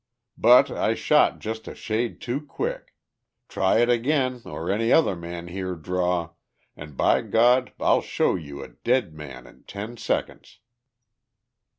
"But I shot just a shade too quick. Try it again, or any other man here draw, and by God, I'll show you a dead man in ten seconds."